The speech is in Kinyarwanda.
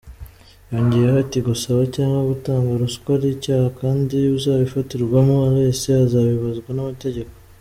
Yongeyeho ati :” Gusaba cyangwa gutanga ruswa ari icyaha kandi uzabifatirwamo wese azabibazwa n’amategeko.”